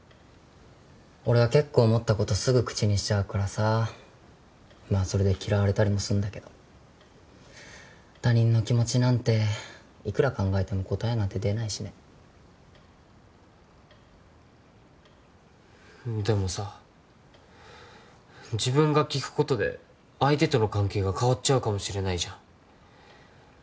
俺は結構思ったことすぐ口にしちゃうからさまあそれで嫌われたりもすんだけど他人の気持ちなんていくら考えても答えなんて出ないしねでもさ自分が聞くことで相手との関係が変わっちゃうかもしれないじゃん